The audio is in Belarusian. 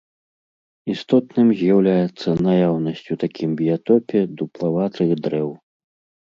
Істотным з'яўляецца наяўнасць у такім біятопе дуплаватых дрэў.